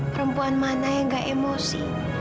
perempuan mana yang gak emosi